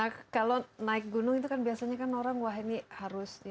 nah kalau naik gunung itu kan biasanya kan orang wah ini harus